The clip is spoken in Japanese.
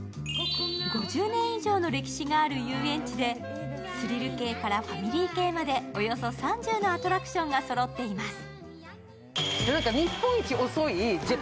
５０年以上の歴史がある遊園地でスリル系からファミリー系までおよそ３０のアトラクションがそろっています。